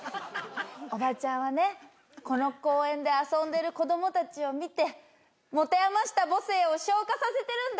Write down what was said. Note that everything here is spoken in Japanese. おばちゃんはねこの公園で遊んでる子どもたちを見てもてあました母性を昇華させてるんだ！